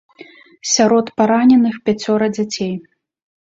Сярод параненых пяцёра дзяцей.